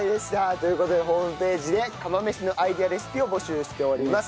という事でホームページで釜飯のアイデアレシピを募集しております。